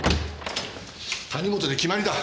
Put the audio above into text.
谷本で決まりだ。